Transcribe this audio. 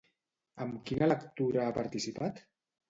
Amb quina lectura ha participat?